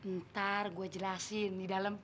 ntar gue jelasin di dalam